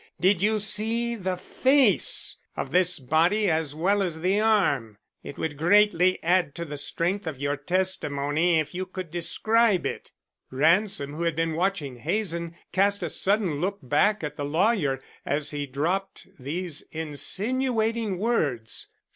Did you see the face of this body as well as the arm? It would greatly add to the strength of your testimony if you could describe it." Ransom, who had been watching Hazen, cast a sudden look back at the lawyer as he dropped these insinuating words.